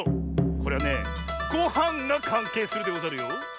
これはねごはんがかんけいするでござるよ。